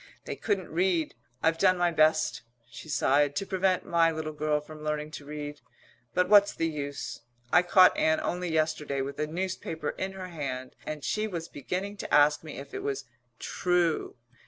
They couldn't read. I've done my best," she sighed, "to prevent my little girl from learning to read, but what's the use? I caught Ann only yesterday with a newspaper in her hand and she was beginning to ask me if it was 'true.'